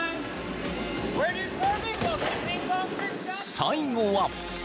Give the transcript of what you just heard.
［最後は］